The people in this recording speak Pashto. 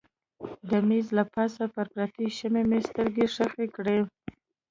د مېز له پاسه پر پرتې شمعې مې سترګې ښخې کړې.